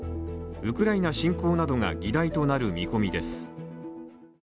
ウクライナ侵攻などが議題となる見込みです。